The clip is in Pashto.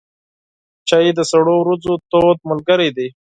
چای د سړو ورځو تود ملګری دی.